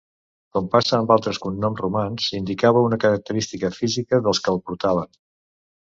Com passa amb altres cognoms romans, indicava una característica física dels que el portaven.